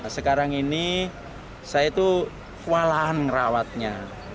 sekarang ini saya tuh kualahan ngerawatnya